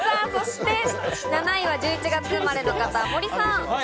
７位は１１月生まれの方、森さん。